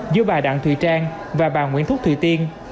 giữa bà đặng thùy trang và bà nguyễn thúc thùy tiên